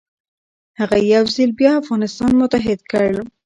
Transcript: هغه یو ځل بیا افغانستان متحد کړ.